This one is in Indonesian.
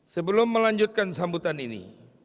sebelum melanjutkan sambutan ini